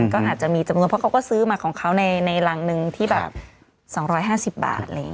ก็อาจจะมีจำนวนเพราะเขาก็ซื้อมาของเขาในรังหนึ่งที่แบบ๒๕๐บาท